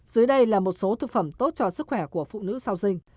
dưới đây là một số thực phẩm tốt cho sức khỏe của phụ nữ sau sinh